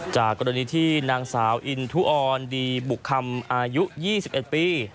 จากกรณีที่นางสาวอินทุออนดีบุกคำอายุ๒๑ปี